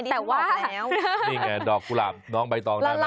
นี่ไงดอกกุหลาบน้องใบตองนายมาแล้ว